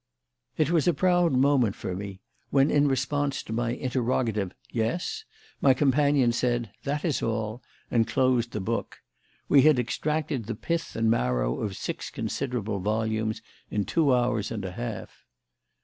It was a proud moment for me when, in response to my interrogative "Yes?" my companion said "That is all" and closed the book. We had extracted the pith and marrow of six considerable volumes in two hours and a half.